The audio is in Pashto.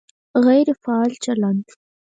غیر فعال چلند